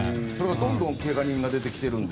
どんどん怪我人が出てきているので。